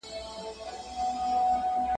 هغه ته وویل سول چې خپله تېروتنه ژر ومني.